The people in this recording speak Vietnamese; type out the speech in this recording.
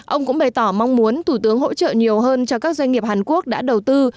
ông cũng bày tỏ mong muốn thủ tướng hỗ trợ nhiều hơn cho các doanh nghiệp hàn quốc đã đầu tư